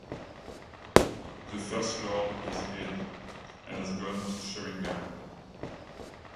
The First Lord is ill, and has gone to Sheringham.